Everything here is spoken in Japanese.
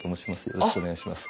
よろしくお願いします。